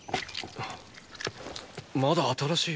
まだ新しい！